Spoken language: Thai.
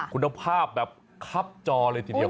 คุณภาพแบบคับจอเลย